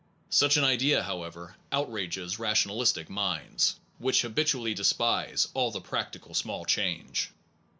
Such an idea, however,, outrages rationalistic minds, which habitually despise all this practical small change.